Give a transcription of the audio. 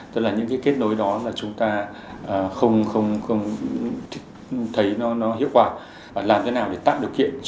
tức là những cái kết nối đó là chúng ta không thấy nó hiệu quả